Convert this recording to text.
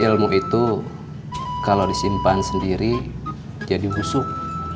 ilmu itu kalau disimpan sendiri jadi busuk